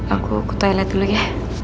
aku ke toilet dulu ya